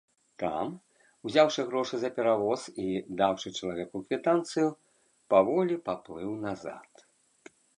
Там, узяўшы грошы за перавоз і даўшы чалавеку квітанцыю, паволі паплыў назад.